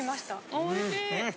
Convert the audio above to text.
おいしい。